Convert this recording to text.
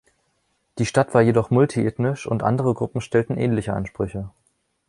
Die Stadt war jedoch multiethnisch, und andere Gruppen stellten ähnliche Ansprüche.